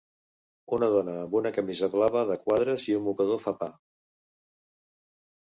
Una dona amb una camisa blava de quadres i un mocador fa pa.